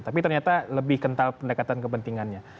tapi ternyata lebih kental pendekatan kepentingannya